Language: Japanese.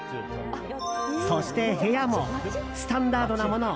そして部屋もスタンダードなもの